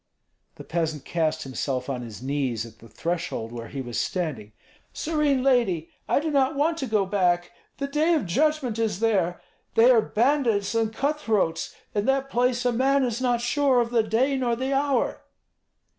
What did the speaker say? The peasant cast himself on his knees at the threshold where he was standing. "Serene lady, I do not want to go back; the day of judgment is there. They are bandits and cut throats; in that place a man is not sure of the day nor the hour."